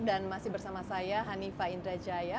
dan masih bersama saya hanifah indrajaya